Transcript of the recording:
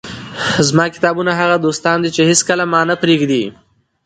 زما کتابونه هغه دوستان دي، چي هيڅکله مانه پرېږي.